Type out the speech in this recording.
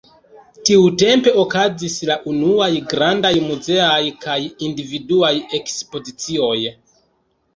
Tiutempe okazis la unuaj grandaj muzeaj kaj individuaj ekspozicioj.